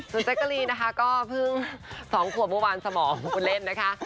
แจ๊กกะลีนะคะก็เพิ่ง๒ขวบเมื่อวานสมองคุณเล่นนะคะ